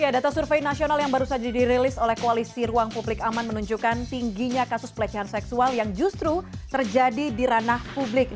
data survei nasional yang baru saja dirilis oleh koalisi ruang publik aman menunjukkan tingginya kasus pelecehan seksual yang justru terjadi di ranah publik